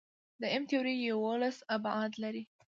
د M-تیوري یوولس ابعاد لري.